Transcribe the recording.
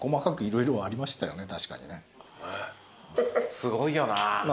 すごいよなぁ。